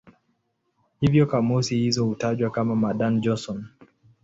Hivyo kamusi hizo hutajwa kama "Madan-Johnson".